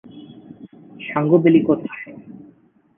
Sangu valley কোথায়?